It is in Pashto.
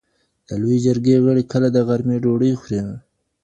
د لویې جرګي غړي کله د غرمي ډوډۍ خوري؟